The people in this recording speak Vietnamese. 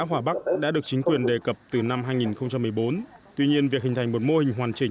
hòa bắc đã được chính quyền đề cập từ năm hai nghìn một mươi bốn tuy nhiên việc hình thành một mô hình hoàn chỉnh